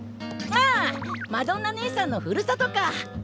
ああマドンナねえさんのふるさとか！